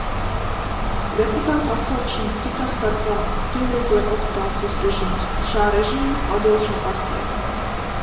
Deputātu atsaukšanu, cita starpā, pielietoja okupācijas režīms, šā režīma vadošā partija.